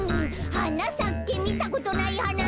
「はなさけみたことないはな」